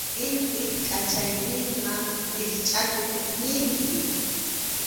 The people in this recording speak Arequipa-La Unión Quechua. Intip kʼanchayninman rikchʼakuq llimpʼi.